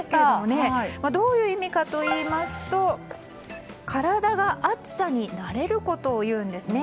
どういう意味かというと体が暑さに慣れることをいうんですね。